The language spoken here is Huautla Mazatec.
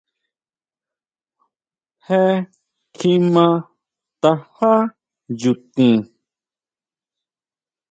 Je kjima tajá nyutin.